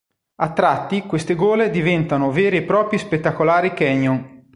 A tratti queste gole diventano veri e propri spettacolari "canyon".